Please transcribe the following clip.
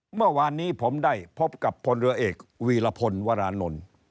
เมื่อวานนี้ผมได้พบกับพลเรือเอกวีรพลวรานนท์